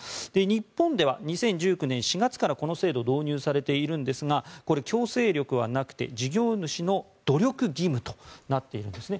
日本では２０１９年４月からこの制度導入されているんですがこれは強制力はなくて事業主の努力義務となっているんですね。